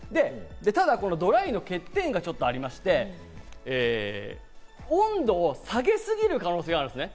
ただドライの欠点がありまして、温度を下げすぎる可能性があるんです。